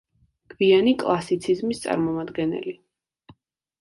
გვიანი კლასიციზმის წარმომადგენელი.